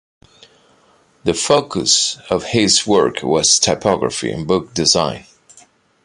The focus of his work was typography and book design.